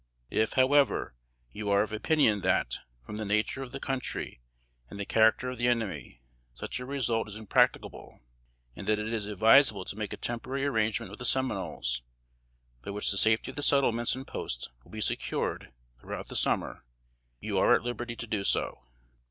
If, however, you are of opinion that, from the nature of the country and the character of the enemy, such a result is impracticable, and that it is advisable to make a temporary arrangement with the Seminoles, by which the safety of the settlements and posts will be secured throughout the summer, you are at liberty to do so."